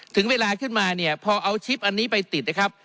ถึงเวลาขึ้นมาเนี่ยพอเอาชิปอันนี้ไปติดนะครับ